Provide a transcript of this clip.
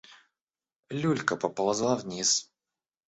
Люлька поползла вниз.